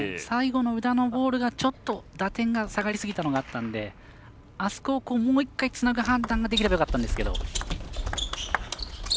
最後の宇田のボールがちょっと打点が下がりすぎたのがあったのであそこをもう１回つなぐ判断ができればよかったんですけど。